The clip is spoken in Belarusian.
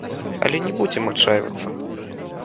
Але не будзем адчайвацца.